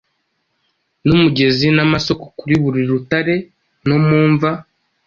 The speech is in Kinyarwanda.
N'umugezi n'amasoko Kuri buri rutare no mu mva